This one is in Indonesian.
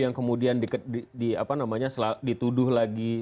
yang kemudian dituduh lagi